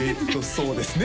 そうですね